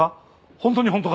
本当に本当か？